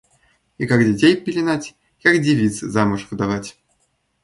И как детей пеленать, и как девиц замуж выдавать!